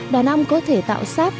đàn ong có thể tạo sát